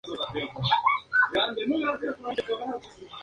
El cuerpo humano está constantemente bajo un proceso de renovación.